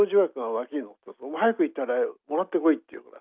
「お前早く行ってもらってこい」って言うから。